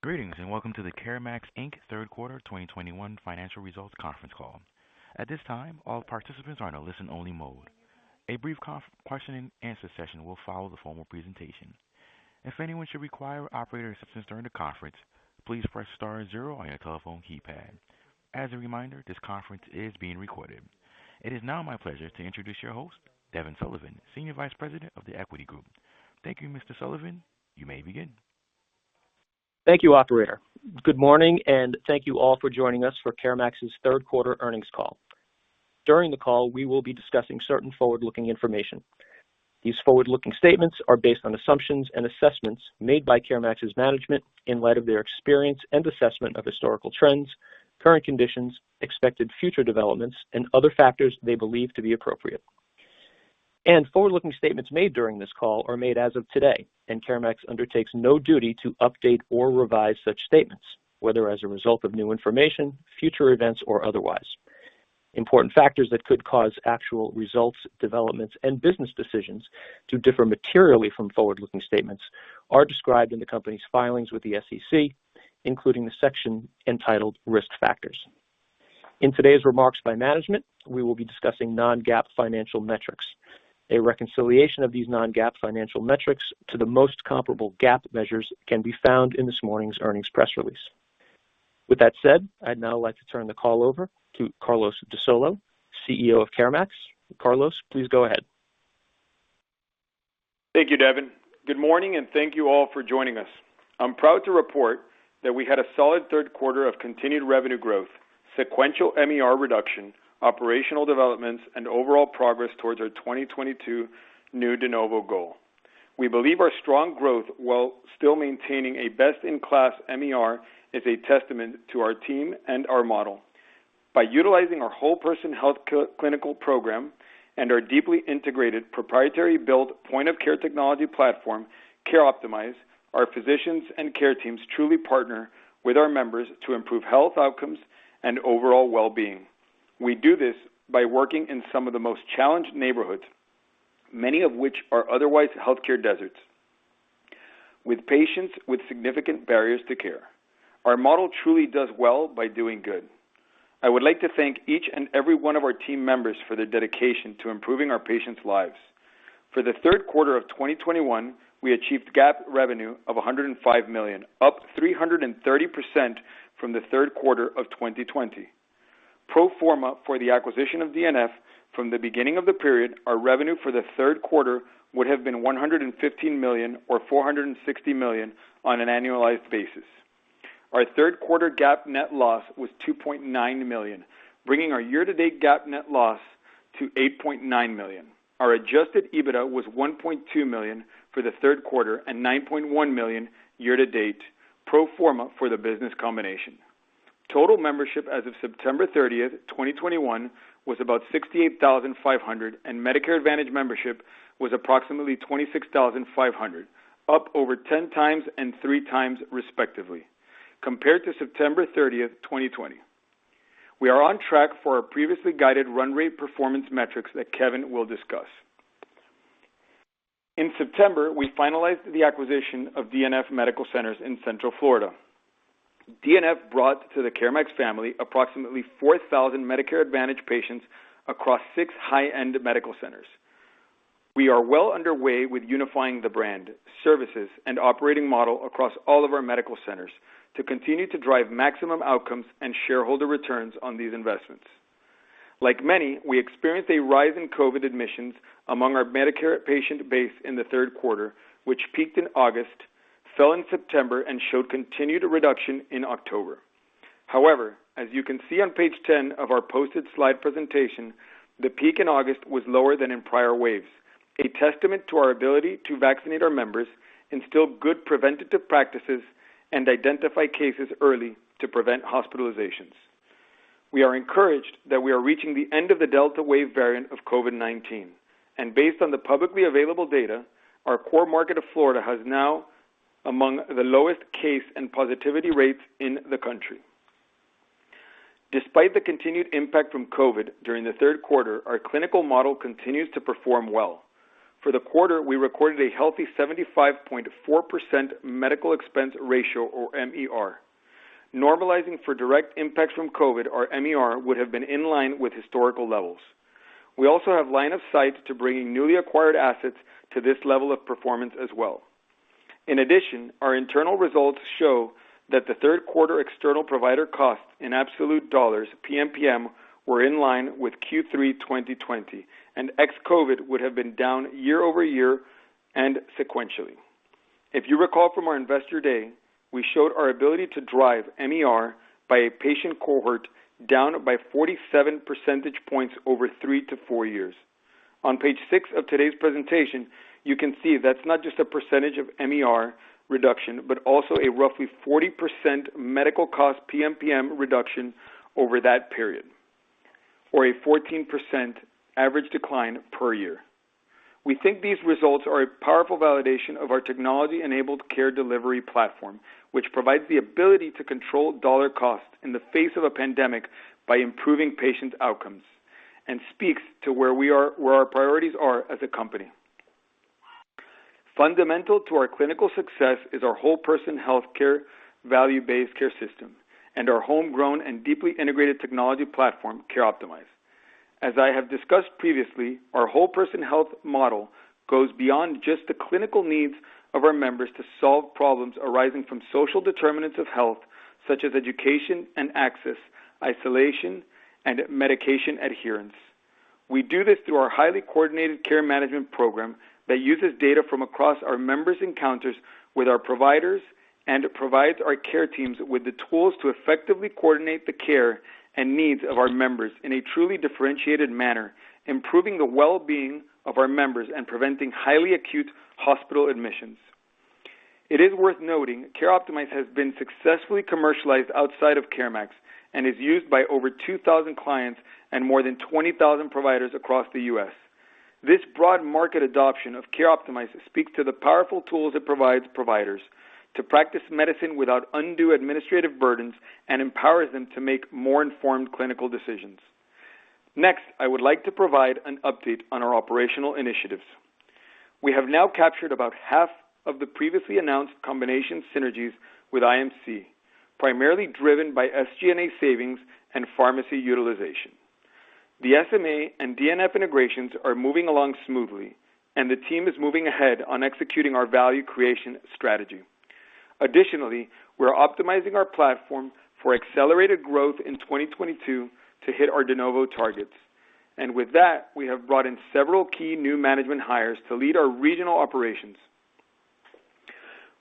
Greetings, and welcome to the CareMax Inc. third quarter 2021 financial results conference call. At this time, all participants are in a listen-only mode. A brief question and answer session will follow the formal presentation. If anyone should require operator assistance during the conference, please press star zero on your telephone keypad. As a reminder, this conference is being recorded. It is now my pleasure to introduce your host, Devin Sullivan, Senior Vice President of The Equity Group. Thank you, Mr. Sullivan. You may begin. Thank you, operator. Good morning, and thank you all for joining us for CareMax's third quarter earnings call. During the call, we will be discussing certain forward-looking information. These forward-looking statements are based on assumptions and assessments made by CareMax's management in light of their experience and assessment of historical trends, current conditions, expected future developments, and other factors they believe to be appropriate. Forward-looking statements made during this call are made as of today, and CareMax undertakes no duty to update or revise such statements, whether as a result of new information, future events, or otherwise. Important factors that could cause actual results, developments, and business decisions to differ materially from forward-looking statements are described in the company's filings with the SEC, including the section entitled Risk Factors. In today's remarks by management, we will be discussing non-GAAP financial metrics. A reconciliation of these non-GAAP financial metrics to the most comparable GAAP measures can be found in this morning's earnings press release. With that said, I'd now like to turn the call over to Carlos de Solo, CEO of CareMax. Carlos, please go ahead. Thank you, Devin. Good morning, and thank you all for joining us. I'm proud to report that we had a solid third quarter of continued revenue growth, sequential MER reduction, operational developments, and overall progress towards our 2022 new de novo goal. We believe our strong growth, while still maintaining a best-in-class MER, is a testament to our team and our model. By utilizing our whole person health clinical program and our deeply integrated proprietary build point-of-care technology platform, CareOptimize, our physicians and care teams truly partner with our members to improve health outcomes and overall well-being. We do this by working in some of the most challenged neighborhoods, many of which are otherwise healthcare deserts, with patients with significant barriers to care. Our model truly does well by doing good. I would like to thank each and every one of our team members for their dedication to improving our patients' lives. For the third quarter of 2021, we achieved GAAP revenue of $105 million, up 330% from the third quarter of 2020. Pro forma for the acquisition of DNF from the beginning of the period, our revenue for the third quarter would have been $115 million or $460 million on an annualized basis. Our third quarter GAAP net loss was $2.9 million, bringing our year-to-date GAAP net loss to $8.9 million. Our adjusted EBITDA was $1.2 million for the third quarter and $9.1 million year-to-date, pro forma for the business combination. Total membership as of September 30, 2021 was about 68,500, and Medicare Advantage membership was approximately 26,500, up over 10x and 3x respectively compared to September 30, 2020. We are on track for our previously guided run rate performance metrics that Kevin will discuss. In September, we finalized the acquisition of DNF Medical Centers in central Florida. DNF brought to the CareMax family approximately 4,000 Medicare Advantage patients across six high-end medical centers. We are well underway with unifying the brand, services, and operating model across all of our medical centers to continue to drive maximum outcomes and shareholder returns on these investments. Like many, we experienced a rise in COVID admissions among our Medicare patient base in the third quarter, which peaked in August, fell in September, and showed continued reduction in October. However, as you can see on page 10 of our posted slide presentation, the peak in August was lower than in prior waves, a testament to our ability to vaccinate our members, instill good preventative practices, and identify cases early to prevent hospitalizations. We are encouraged that we are reaching the end of the Delta wave variant of COVID-19, and based on the publicly available data, our core market of Florida has now among the lowest case and positivity rates in the country. Despite the continued impact from COVID during the third quarter, our clinical model continues to perform well. For the quarter, we recorded a healthy 75.4% medical expense ratio or MER. Normalizing for direct impacts from COVID, our MER would have been in line with historical levels. We also have line of sight to bringing newly acquired assets to this level of performance as well. In addition, our internal results show that the third quarter external provider costs in absolute dollars PMPM were in line with Q3 2020, and ex-COVID would have been down year-over-year and sequentially. If you recall from our Investor Day, we showed our ability to drive MER by a patient cohort down by 47 percentage points over 3-4 years. On page 6 of today's presentation, you can see that's not just a percentage of MER reduction, but also a roughly 40% medical cost PMPM reduction over that period or a 14% average decline per year. We think these results are a powerful validation of our technology-enabled care delivery platform, which provides the ability to control dollar costs in the face of a pandemic by improving patient outcomes and speaks to where we are, where our priorities are as a company. Fundamental to our clinical success is our whole person healthcare value-based care system and our homegrown and deeply integrated technology platform, CareOptimize. As I have discussed previously, our whole person health model goes beyond just the clinical needs of our members to solve problems arising from social determinants of health, such as education and access, isolation, and medication adherence. We do this through our highly coordinated care management program that uses data from across our members' encounters with our providers and provides our care teams with the tools to effectively coordinate the care and needs of our members in a truly differentiated manner, improving the well-being of our members and preventing highly acute hospital admissions. It is worth noting CareOptimize has been successfully commercialized outside of CareMax and is used by over 2,000 clients and more than 20,000 providers across the U.S. This broad market adoption of CareOptimize speaks to the powerful tools it provides providers to practice medicine without undue administrative burdens and empowers them to make more informed clinical decisions. Next, I would like to provide an update on our operational initiatives. We have now captured about half of the previously announced combination synergies with IMC, primarily driven by SG&A savings and pharmacy utilization. The SMA and DNF integrations are moving along smoothly, and the team is moving ahead on executing our value creation strategy. Additionally, we're optimizing our platform for accelerated growth in 2022 to hit our de novo targets. With that, we have brought in several key new management hires to lead our regional operations.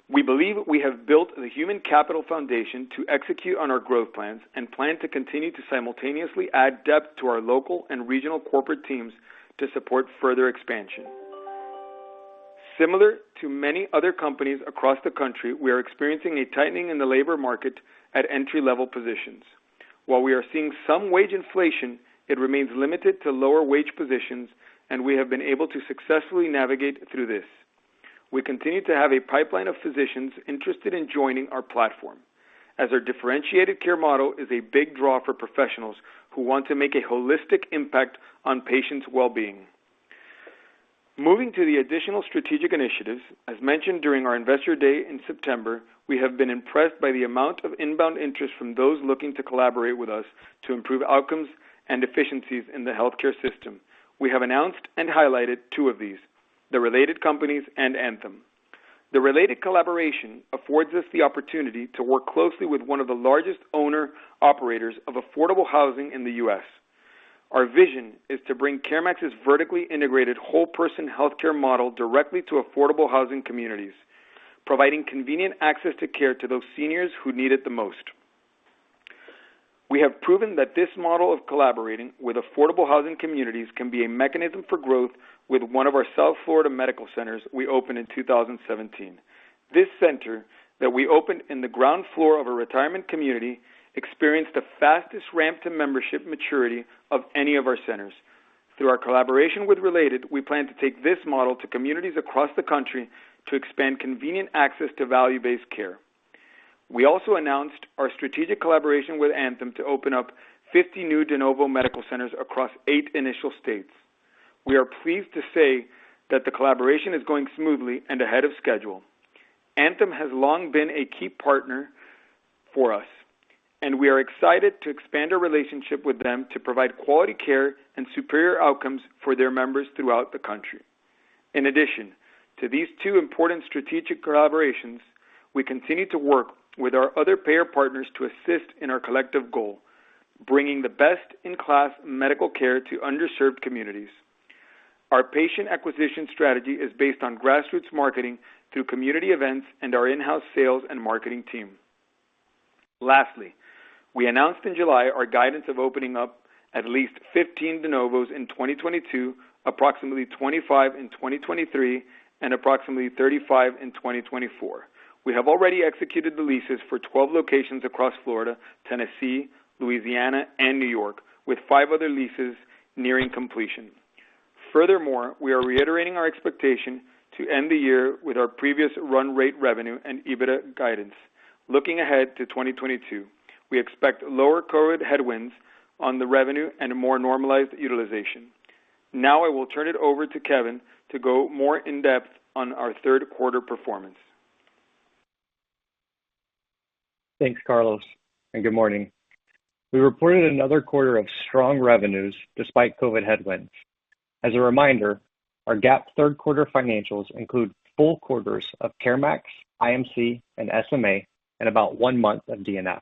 We believe we have built the human capital foundation to execute on our growth plans and plan to continue to simultaneously add depth to our local and regional corporate teams to support further expansion. Similar to many other companies across the country, we are experiencing a tightening in the labor market at entry-level positions. While we are seeing some wage inflation, it remains limited to lower wage positions, and we have been able to successfully navigate through this. We continue to have a pipeline of physicians interested in joining our platform as our differentiated care model is a big draw for professionals who want to make a holistic impact on patients' well-being. Moving to the additional strategic initiatives, as mentioned during our Investor Day in September, we have been impressed by the amount of inbound interest from those looking to collaborate with us to improve outcomes and efficiencies in the healthcare system. We have announced and highlighted two of these, the Related Companies and Anthem. The Related collaboration affords us the opportunity to work closely with one of the largest owner-operators of affordable housing in the U.S. Our vision is to bring CareMax's vertically integrated whole person healthcare model directly to affordable housing communities, providing convenient access to care to those seniors who need it the most. We have proven that this model of collaborating with affordable housing communities can be a mechanism for growth with one of our South Florida medical centers we opened in 2017. This center that we opened in the ground floor of a retirement community experienced the fastest ramp to membership maturity of any of our centers. Through our collaboration with Related, we plan to take this model to communities across the country to expand convenient access to value-based care. We also announced our strategic collaboration with Anthem to open up 50 new de novo medical centers across eight initial states. We are pleased to say that the collaboration is going smoothly and ahead of schedule. Anthem has long been a key partner for us, and we are excited to expand our relationship with them to provide quality care and superior outcomes for their members throughout the country. In addition to these two important strategic collaborations, we continue to work with our other payer partners to assist in our collective goal, bringing the best-in-class medical care to underserved communities. Our patient acquisition strategy is based on grassroots marketing through community events and our in-house sales and marketing team. Lastly, we announced in July our guidance of opening up at least 15 de novos in 2022, approximately 25 in 2023, and approximately 35 in 2024. We have already executed the leases for 12 locations across Florida, Tennessee, Louisiana, and New York, with five other leases nearing completion. Furthermore, we are reiterating our expectation to end the year with our previous run rate revenue and EBITDA guidance. Looking ahead to 2022, we expect lower COVID headwinds on the revenue and a more normalized utilization. Now I will turn it over to Kevin to go more in depth on our third quarter performance. Thanks, Carlos, and good morning. We reported another quarter of strong revenues despite COVID headwinds. As a reminder, our GAAP third quarter financials include full quarters of CareMax, IMC, and SMA, and about one month of DNF.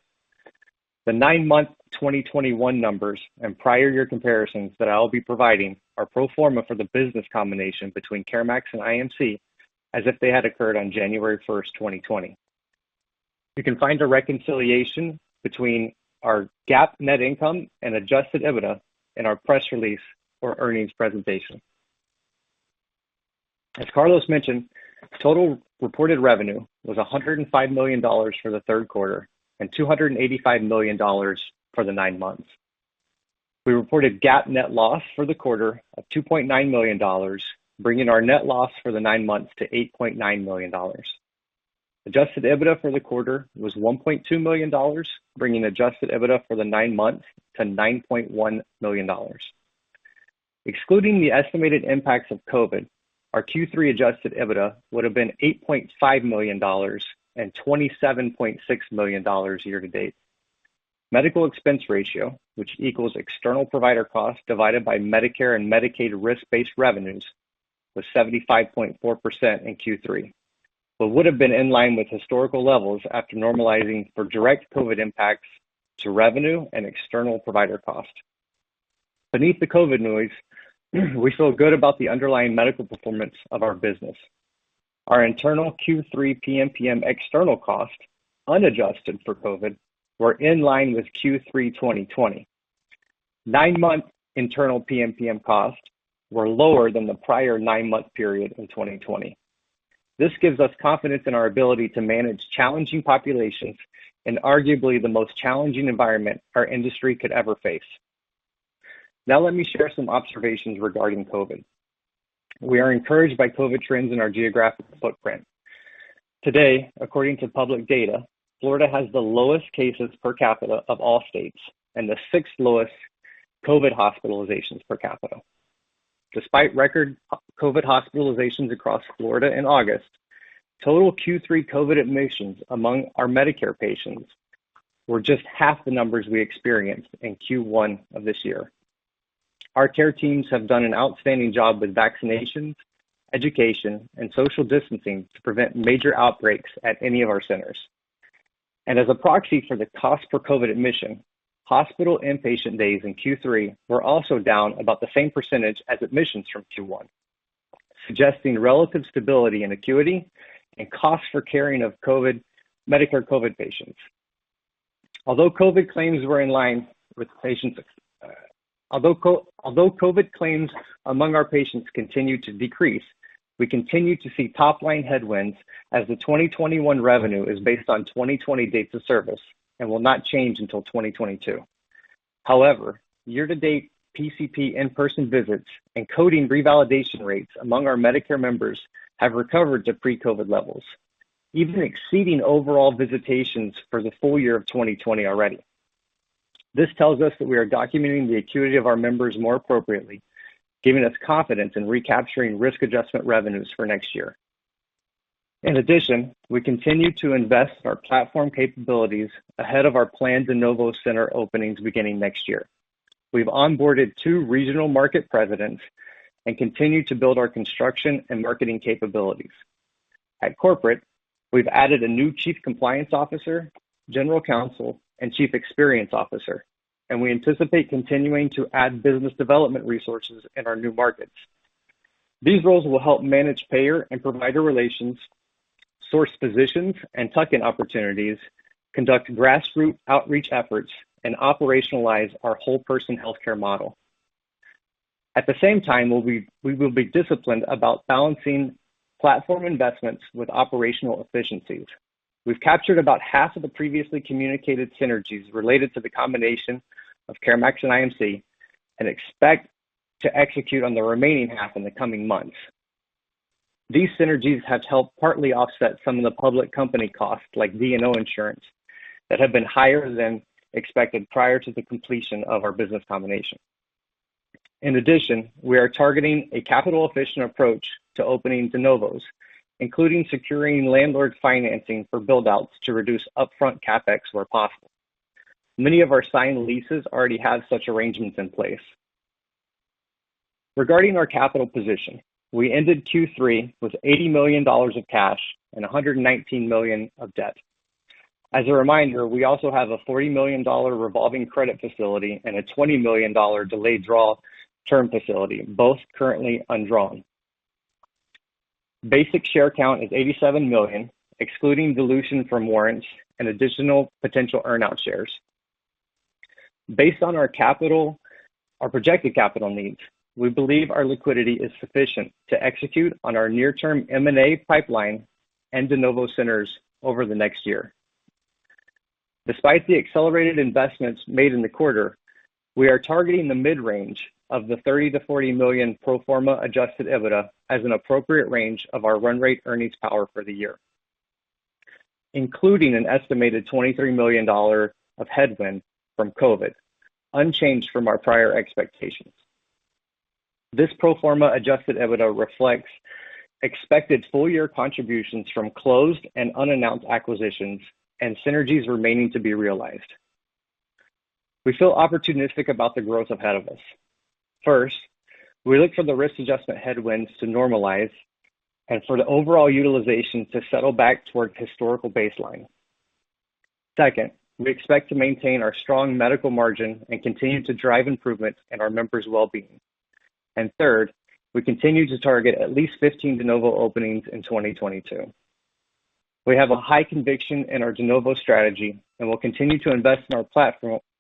The nine-month 2021 numbers and prior year comparisons that I'll be providing are pro forma for the business combination between CareMax and IMC as if they had occurred on January 1, 2020. You can find a reconciliation between our GAAP net income and adjusted EBITDA in our press release or earnings presentation. As Carlos mentioned, total reported revenue was $105 million for the third quarter and $285 million for the nine months. We reported GAAP net loss for the quarter of $2.9 million, bringing our net loss for the nine months to $8.9 million. Adjusted EBITDA for the quarter was $1.2 million, bringing adjusted EBITDA for the nine months to $9.1 million. Excluding the estimated impacts of COVID, our Q3 adjusted EBITDA would have been $8.5 million and $27.6 million year-to-date. Medical expense ratio, which equals external provider costs divided by Medicare and Medicaid risk-based revenues, was 75.4% in Q3, but would have been in line with historical levels after normalizing for direct COVID impacts to revenue and external provider cost. Beneath the COVID noise, we feel good about the underlying medical performance of our business. Our internal Q3 PMPM external costs, unadjusted for COVID, were in line with Q3 2020. Nine-month internal PMPM costs were lower than the prior nine-month period in 2020. This gives us confidence in our ability to manage challenging populations in arguably the most challenging environment our industry could ever face. Now let me share some observations regarding COVID. We are encouraged by COVID trends in our geographic footprint. Today, according to public data, Florida has the lowest cases per capita of all states and the sixth lowest COVID hospitalizations per capita. Despite record COVID hospitalizations across Florida in August, total Q3 COVID admissions among our Medicare patients were just half the numbers we experienced in Q1 of this year. Our care teams have done an outstanding job with vaccinations, education, and social distancing to prevent major outbreaks at any of our centers. As a proxy for the cost per COVID admission, hospital inpatient days in Q3 were also down about the same percentage as admissions from Q1, suggesting relative stability and acuity and cost for caring of COVID Medicare COVID patients. Although COVID claims among our patients continue to decrease, we continue to see top line headwinds as the 2021 revenue is based on 2020 dates of service and will not change until 2022. However, year-to-date PCP in-person visits and coding revalidation rates among our Medicare members have recovered to pre-COVID levels, even exceeding overall visitations for the full year of 2020 already. This tells us that we are documenting the acuity of our members more appropriately, giving us confidence in recapturing risk adjustment revenues for next year. In addition, we continue to invest in our platform capabilities ahead of our planned de novo center openings beginning next year. We've onboarded two regional market presidents and continue to build our construction and marketing capabilities. At corporate, we've added a new Chief Compliance Officer, General Counsel, and Chief Experience Officer, and we anticipate continuing to add business development resources in our new markets. These roles will help manage payer and provider relations, source physicians and tuck-in opportunities, conduct grassroots outreach efforts, and operationalize our whole person healthcare model. At the same time, we will be disciplined about balancing platform investments with operational efficiencies. We've captured about half of the previously communicated synergies related to the combination of CareMax and IMC, and expect to execute on the remaining half in the coming months. These synergies have helped partly offset some of the public company costs, like D&O insurance, that have been higher than expected prior to the completion of our business combination. In addition, we are targeting a capital-efficient approach to opening de novos, including securing landlord financing for build-outs to reduce upfront CapEx where possible. Many of our signed leases already have such arrangements in place. Regarding our capital position, we ended Q3 with $80 million of cash and $119 million of debt. As a reminder, we also have a $40 million revolving credit facility and a $20 million delayed draw-term facility, both currently undrawn. Basic share count is 87 million, excluding dilution from warrants and additional potential earnout shares. Based on our projected capital needs, we believe our liquidity is sufficient to execute on our near-term M&A pipeline and de novo centers over the next year. Despite the accelerated investments made in the quarter, we are targeting the mid-range of the $30 million-$40 million pro forma adjusted EBITDA as an appropriate range of our run rate earnings power for the year, including an estimated $23 million of headwind from COVID, unchanged from our prior expectations. This pro forma adjusted EBITDA reflects expected full year contributions from closed and unannounced acquisitions and synergies remaining to be realized. We feel opportunistic about the growth ahead of us. First, we look for the risk adjustment headwinds to normalize and for the overall utilization to settle back toward historical baseline. Second, we expect to maintain our strong medical margin and continue to drive improvements in our members' wellbeing. Third, we continue to target at least 15 de novo openings in 2022. We have a high conviction in our de novo strategy, and we'll continue to invest in our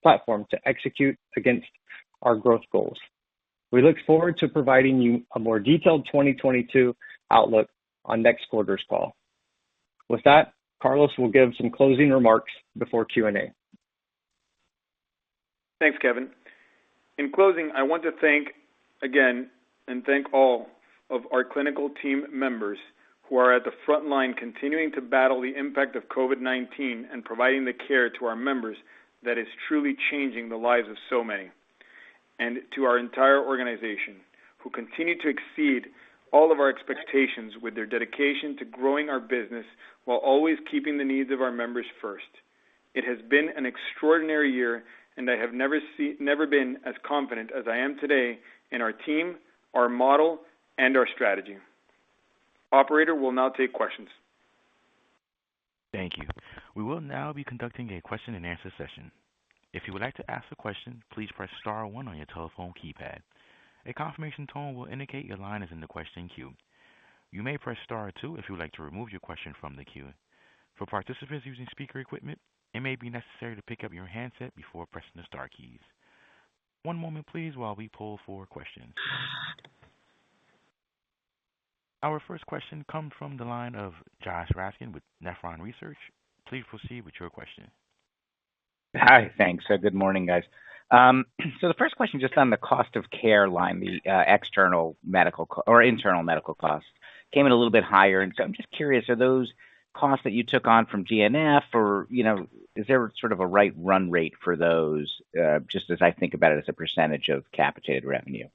platform to execute against our growth goals. We look forward to providing you a more detailed 2022 outlook on next quarter's call. With that, Carlos de Solo will give some closing remarks before Q&A. Thanks, Kevin. In closing, I want to thank again, and thank all of our clinical team members who are at the front line continuing to battle the impact of COVID-19 and providing the care to our members that is truly changing the lives of so many. To our entire organization, who continue to exceed all of our expectations with their dedication to growing our business while always keeping the needs of our members first. It has been an extraordinary year, and I have never been as confident as I am today in our team, our model, and our strategy. Operator, we'll now take questions. Thank you. We will now be conducting a question-and-answer session. If you would like to ask a question, please press star one on your telephone keypad. A confirmation tone will indicate your line is in the question queue. You may press star two if you would like to remove your question from the queue. For participants using speaker equipment, it may be necessary to pick up your handset before pressing the star keys. One moment please, while we pull for questions. Our first question comes from the line of Josh Raskin with Nephron Research. Please proceed with your question. Hi. Thanks. Good morning, guys. The first question just on the cost of care line, the external medical cost or internal medical cost, came in a little bit higher. I'm just curious, are those costs that you took on from DNF or, you know, is there sort of a right run rate for those? Just as I think about it as a percentage of capitated revenue.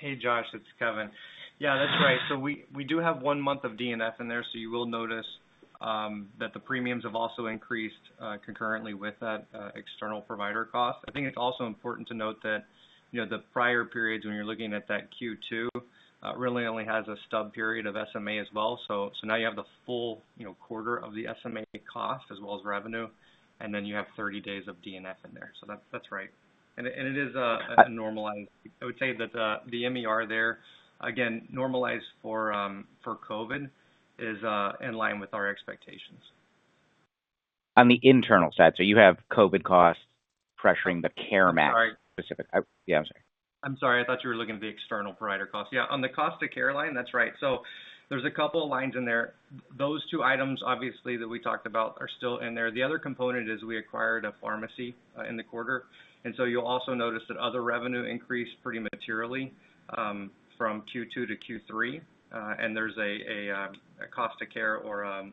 Hey, Josh, it's Kevin. Yeah, that's right. We do have one month of DNF in there, you will notice that the premiums have also increased concurrently with that external provider cost. I think it's also important to note that, you know, the prior periods when you're looking at that Q2 really only has a stub period of SMA as well. Now you have the full, you know, quarter of the SMA cost as well as revenue, and then you have 30 days of DNF in there. That's right. It is a normalized. I would say that the MER there, again, normalized for COVID, is in line with our expectations. On the internal side. You have COVID costs pressuring the CareMax- Sorry. Specific. Yeah, I'm sorry. I'm sorry. I thought you were looking at the external provider costs. Yeah, on the cost of care line, that's right. There's a couple of lines in there. Those two items, obviously, that we talked about are still in there. The other component is we acquired a pharmacy in the quarter. You'll also notice that other revenue increased pretty materially from Q2 to Q3. There's a cost of care or a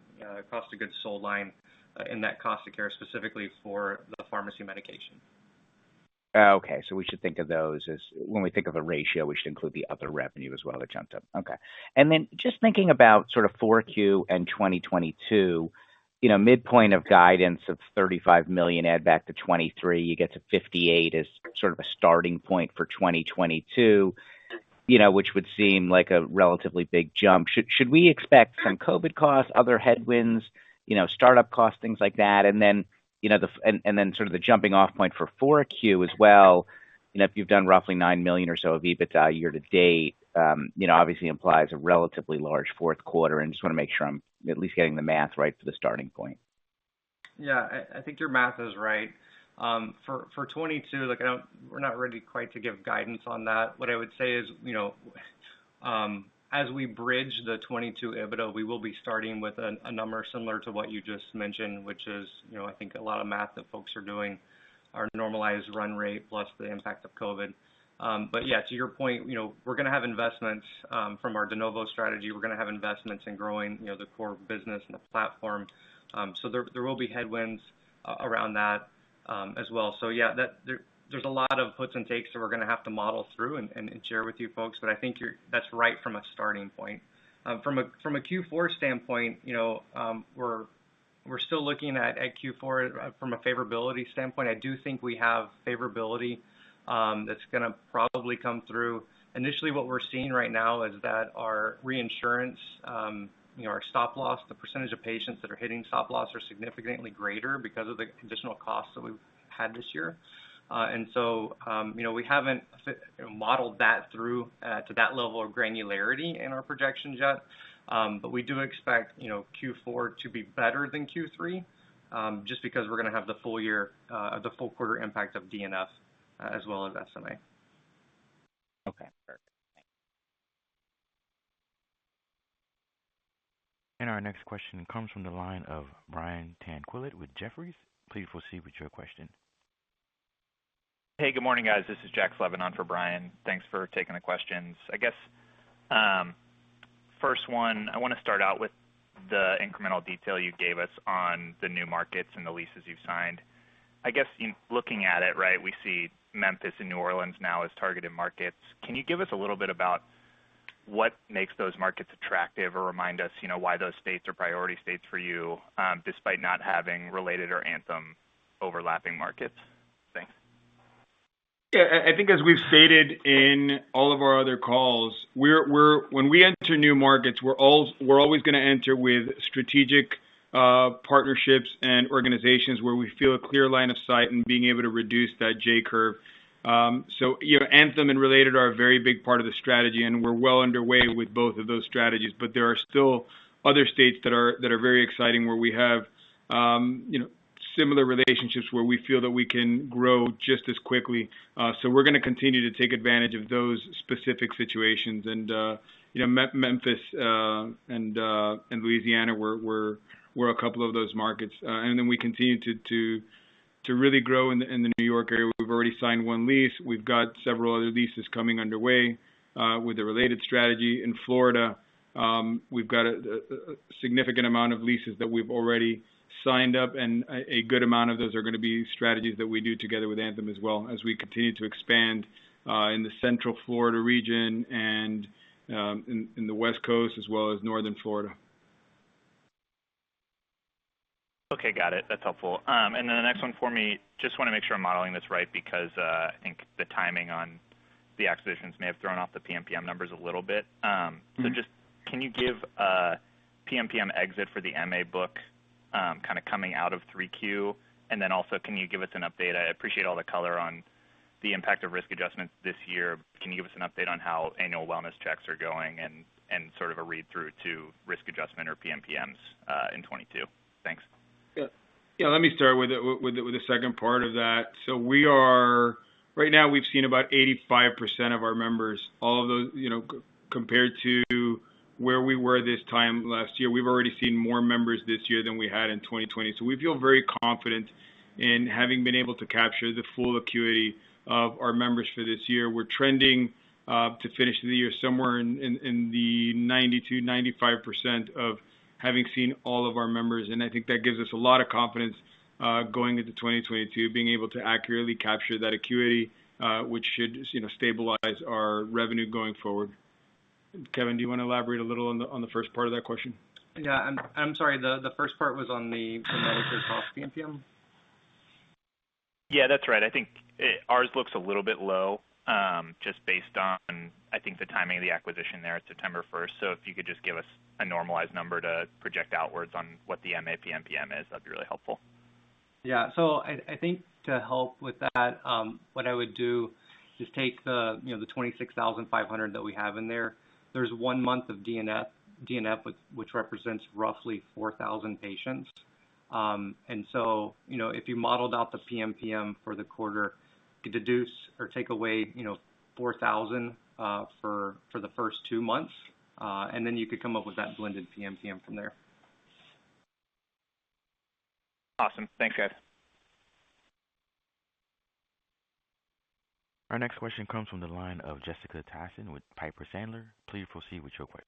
cost of goods sold line in that cost of care, specifically for the pharmacy medication. Oh, okay. So we should think of those as. When we think of the ratio, we should include the other revenue as well to chunk up. Okay. Then just thinking about sort of Q4 and 2022, you know, midpoint of guidance of $35 million add back to 2023, you get to 58 as sort of a starting point for 2022, you know, which would seem like a relatively big jump. Should we expect some COVID costs, other headwinds, you know, start-up costs, things like that? Then, you know, then sort of the jumping off point for Q4 as well, you know, if you've done roughly $9 million or so of EBITDA year-to-date, you know, obviously implies a relatively large fourth quarter. Just wanna make sure I'm at least getting the math right for the starting point. Yeah. I think your math is right. For 2022, look, we're not ready quite to give guidance on that. What I would say is, you know, as we bridge the 2022 EBITDA, we will be starting with a number similar to what you just mentioned, which is, you know, I think a lot of math that folks are doing are normalized run rate plus the impact of COVID. But yeah, to your point, you know, we're gonna have investments from our de novo strategy. We're gonna have investments in growing, you know, the core business and the platform. So there will be headwinds around that, as well. So yeah, that. There's a lot of puts and takes that we're gonna have to model through and share with you folks. I think that's right from a starting point. From a Q4 standpoint, you know, we're still looking at Q4 from a favorability standpoint. I do think we have favorability that's gonna probably come through. Initially, what we're seeing right now is that our reinsurance our stop-loss, the percentage of patients that are hitting stop-loss are significantly greater because of the catastrophic costs that we've had this year. We haven't modeled that through to that level of granularity in our projections yet. We do expect Q4 to be better than Q3 just because we're gonna have the full year, the full quarter impact of DNF as well as SMA. Okay. Perfect. Thanks. Our next question comes from the line of Brian Tanquilut with Jefferies. Please proceed with your question. Hey, good morning, guys. This is Jax Levin on for Brian. Thanks for taking the questions. I guess, first one, I wanna start out with the incremental detail you gave us on the new markets and the leases you've signed. I guess in looking at it, right, we see Memphis and New Orleans now as targeted markets. Can you give us a little bit about what makes those markets attractive or remind us, you know, why those states are priority states for you, despite not having Related or Anthem overlapping markets? Thanks. I think as we've stated in all of our other calls, when we enter new markets, we're always gonna enter with strategic partnerships and organizations where we feel a clear line of sight in being able to reduce that J-curve. So, you know, Anthem and Related are a very big part of the strategy, and we're well underway with both of those strategies. But there are still other states that are very exciting where we have, you know, similar relationships where we feel that we can grow just as quickly. So we're gonna continue to take advantage of those specific situations. You know, Memphis and Louisiana were a couple of those markets. We continue to. To really grow in the New York area, we've already signed one lease. We've got several other leases coming underway with a Related strategy in Florida. We've got a significant amount of leases that we've already signed up, and a good amount of those are gonna be strategies that we do together with Anthem as well as we continue to expand in the Central Florida region and in the West Coast as well as Northern Florida. Okay, got it. That's helpful. The next one for me, just wanna make sure I'm modeling this right because I think the timing on the acquisitions may have thrown off the PMPM numbers a little bit. Mm-hmm. Just can you give a PMPM exit for the MA book, kinda coming out of 3Q? And then also, can you give us an update? I appreciate all the color on the impact of risk adjustments this year. Can you give us an update on how annual wellness checks are going and sort of a read-through to risk adjustment or PMPMs in 2022? Thanks. Yeah. Yeah, let me start with the second part of that. Right now, we've seen about 85% of our members, all of those, you know, compared to where we were this time last year. We've already seen more members this year than we had in 2020. We feel very confident in having been able to capture the full acuity of our members for this year. We're trending to finish the year somewhere in the 90%-95% of having seen all of our members. I think that gives us a lot of confidence going into 2022, being able to accurately capture that acuity, which should, you know, stabilize our revenue going forward. Kevin, do you wanna elaborate a little on the first part of that question? Yeah. I'm sorry, the first part was on the medical cost PMPM. Yeah, that's right. I think ours looks a little bit low, just based on, I think, the timing of the acquisition there. It's September first. So if you could just give us a normalized number to project outwards on what the MA PMPM is, that'd be really helpful. Yeah. I think to help with that, what I would do is take the, you know, the 26,500 that we have in there. There's one month of DNF which represents roughly 4,000 patients. If you modeled out the PMPM for the quarter, you could deduce or take away, you know, 4,000 for the first two months, and then you could come up with that blended PMPM from there. Awesome. Thanks, guys. Our next question comes from the line of Jessica Tassan with Piper Sandler. Please proceed with your question.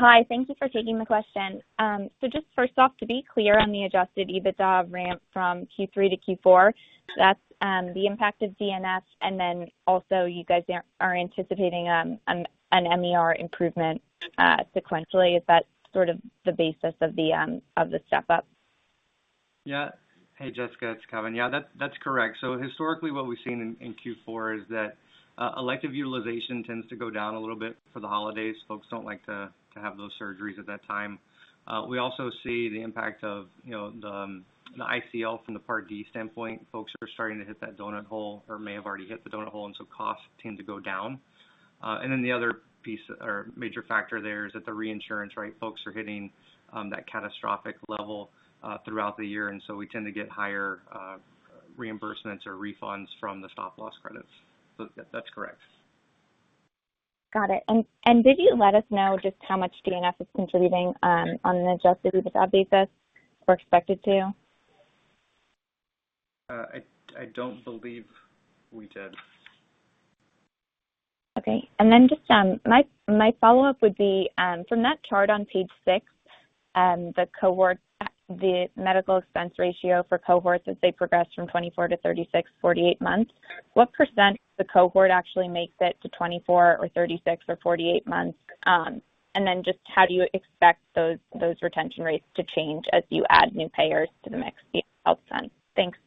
Hi. Thank you for taking the question. Just first off, to be clear on the adjusted EBITDA ramp from Q3-Q4, that's the impact of DNF and then also you guys are anticipating an MER improvement sequentially. Is that sort of the basis of the step-up? Yeah. Hey, Jessica, it's Kevin. Yeah, that's correct. Historically, what we've seen in Q4 is that elective utilization tends to go down a little bit for the holidays. Folks don't like to have those surgeries at that time. We also see the impact of the ICL from the Part D standpoint. Folks are starting to hit that donut hole or may have already hit the donut hole, and so costs tend to go down. Then the other piece or major factor there is that the reinsurance, right? Folks are hitting that catastrophic level throughout the year, and so we tend to get higher reimbursements or refunds from the stop-loss credits. That's correct. Got it. Did you let us know just how much DNF is contributing on an adjusted EBITDA basis or expected to? I don't believe we did. Okay. Just my follow-up would be from that chart on page 6, the cohort, the medical expense ratio for cohorts as they progress from 24-36, 48 months, what percent the cohort actually makes it to 24 or 36 or 48 months? How do you expect those retention rates to change as you add new payers to the mix via health plan? Thanks.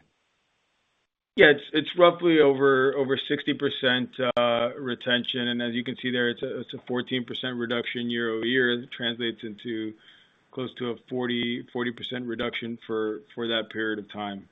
It's roughly over 60% retention. As you can see there, it's a 14% reduction year-over-year. That translates into close to a 40% reduction for that period of time.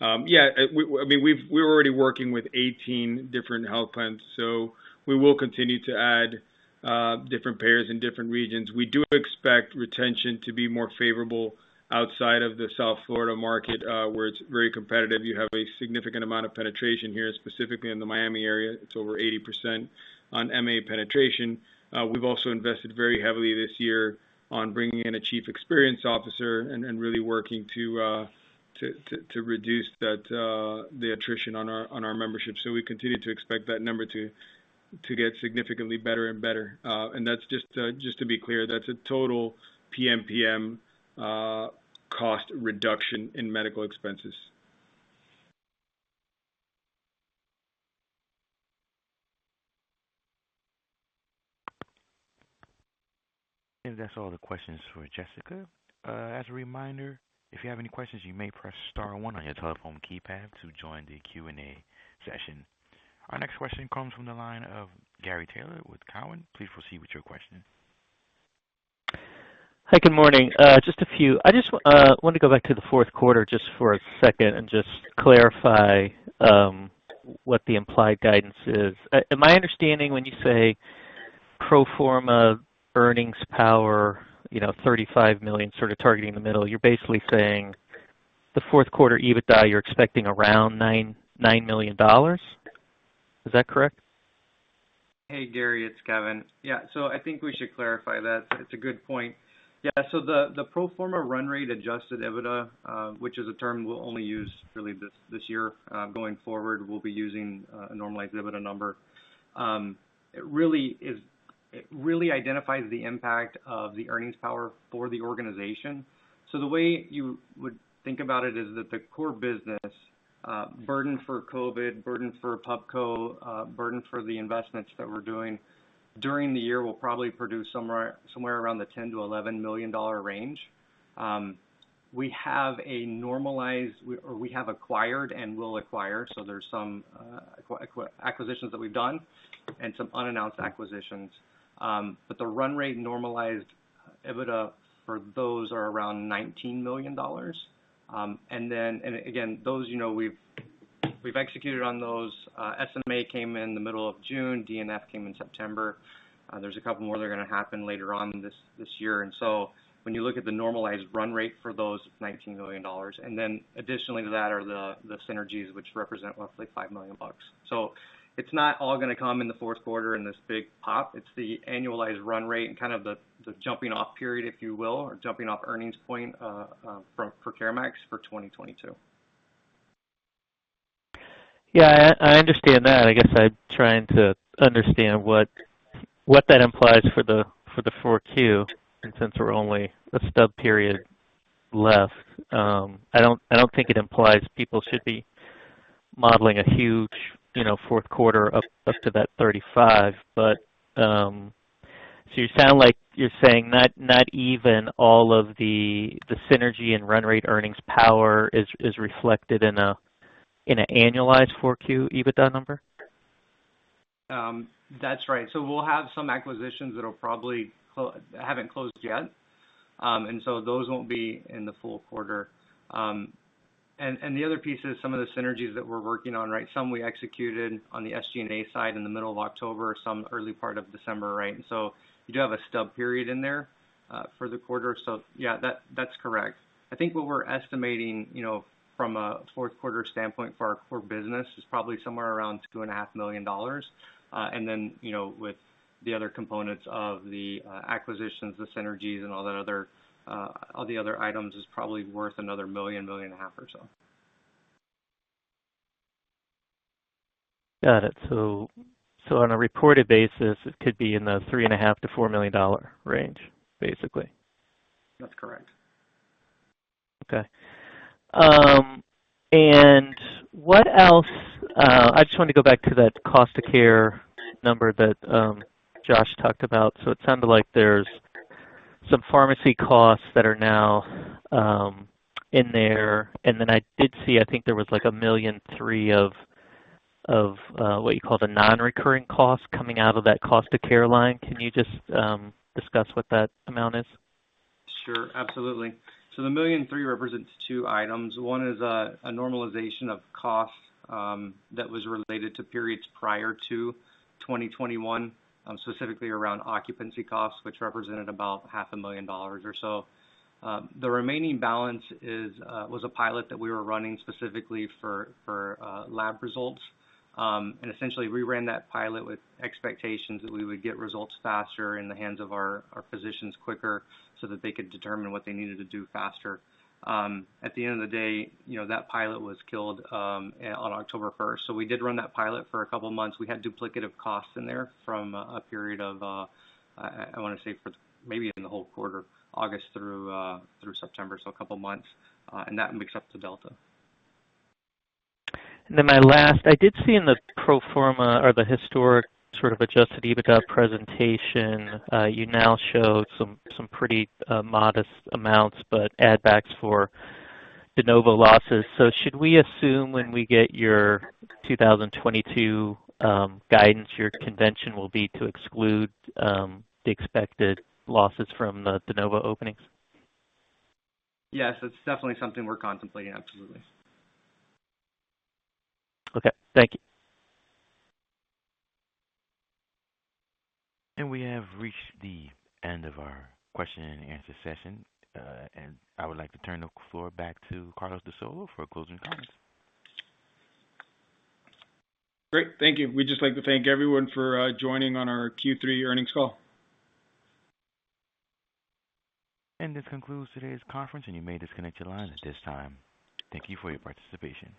I mean, we're already working with 18 different health plans, so we will continue to add different payers in different regions. We do expect retention to be more favorable outside of the South Florida market, where it's very competitive. You have a significant amount of penetration here, specifically in the Miami area. It's over 80% on MA penetration. We've also invested very heavily this year on bringing in a Chief Experience Officer and really working to reduce the attrition on our membership. We continue to expect that number to get significantly better and better. That's just to be clear, that's a total PMPM cost reduction in medical expenses. That's all the questions for Jessica. As a reminder, if you have any questions, you may press star one on your telephone keypad to join the Q&A session. Our next question comes from the line of Gary Taylor with Cowen. Please proceed with your question. Hi, good morning. I wanted to go back to the fourth quarter just for a second and just clarify what the implied guidance is. Am I understanding when you say pro forma earnings power, you know, $35 million, sort of targeting the middle, you're basically saying the fourth quarter EBITDA, you're expecting around $9 million? Is that correct? Hey Gary, it's Kevin. Yeah. I think we should clarify that. It's a good point. Yeah. The pro forma run rate adjusted EBITDA, which is a term we'll only use really this year, going forward, we'll be using a normalized EBITDA number. It really identifies the impact of the earnings power for the organization. The way you would think about it is that the core business, burden for COVID, burden for Pubco, burden for the investments that we're doing during the year will probably produce somewhere around the $10 million-$11 million range. We have acquired and will acquire, so there's some acquisitions that we've done and some unannounced acquisitions. The run rate normalized EBITDA for those are around $19 million. Then again, those, you know, we've executed on those. SMA came in the middle of June, DNF came in September. There's a couple more that are gonna happen later on in this year. When you look at the normalized run rate for those $19 million, and then additionally to that are the synergies which represent roughly $5 million. It's not all gonna come in the fourth quarter in this big pop. It's the annualized run rate and kind of the jumping off period, if you will or jumping off earnings point for CareMax for 2022. Yeah, I understand that. I guess I'm trying to understand what that implies for the 4Q, and since we're only a stub period left. I don't think it implies people should be modeling a huge, you know, fourth quarter up to that 35. You sound like you're saying not even all of the synergy and run rate earnings power is reflected in an annualized 4Q EBITDA number? That's right. We'll have some acquisitions that haven't closed yet. Those won't be in the full quarter. The other piece is some of the synergies that we're working on, right? Some we executed on the SG&A side in the middle of October, some early part of December, right? You do have a stub period in there for the quarter. Yeah, that's correct. I think what we're estimating, you know, from a fourth quarter standpoint for our core business is probably somewhere around $2.5 million. You know, with the other components of the acquisitions, the synergies and all that other, all the other items is probably worth another $1 million-$1.5 million or so. Got it. On a reported basis, it could be in the $3.5 million-$4 million range, basically? That's correct. Okay, I just wanted to go back to that cost of care number that Josh talked about. It sounded like there's some pharmacy costs that are now in there. I did see, I think there was like $1.3 million of what you call the non-recurring costs coming out of that cost of care line. Can you just discuss what that amount is? Sure. Absolutely. The $1.3 million represents two items. One is a normalization of costs that was related to periods prior to 2021, specifically around occupancy costs, which represented about $500,000. The remaining balance was a pilot that we were running specifically for lab results. Essentially, we ran that pilot with expectations that we would get results faster in the hands of our physicians quicker so that they could determine what they needed to do faster. At the end of the day, you know, that pilot was killed on October 1. We did run that pilot for a couple of months. We had duplicative costs in there from a period of, I wanna say for maybe in the whole quarter, August through September, so a couple of months. That makes up the delta. My last. I did see in the pro forma or the historic sort of adjusted EBITDA presentation, you now show some pretty modest amounts, but add backs for de novo losses. Should we assume when we get your 2022 guidance, your convention will be to exclude the expected losses from the de novo openings? Yes. It's definitely something we're contemplating. Absolutely. Okay. Thank you. We have reached the end of our question and answer session. I would like to turn the floor back to Carlos de Solo for closing comments. Great. Thank you. We'd just like to thank everyone for joining on our Q3 earnings call. This concludes today's conference, and you may disconnect your lines at this time. Thank you for your participation.